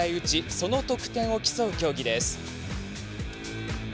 その得点を競う競技です。